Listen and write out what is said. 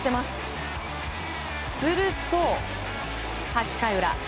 すると８回裏。